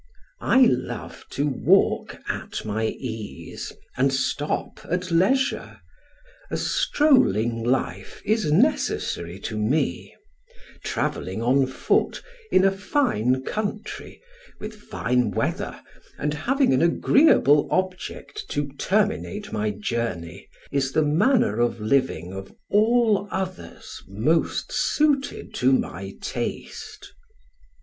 I love to walk at my ease, and stop at leisure; a strolling life is necessary to me: travelling on foot, in a fine country, with fine weather and having an agreeable object to terminate my journey, is the manner of living of all others most suited to my taste.